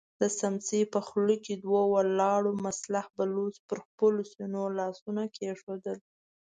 د سمڅې په خوله کې دوو ولاړو مسلح بلوڅو پر خپلو سينو لاسونه کېښودل.